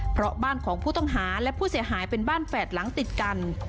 เพราะบ้านของผู้ต้องหาและผู้เสียหายเป็นบ้านแฝดหลังติดกัน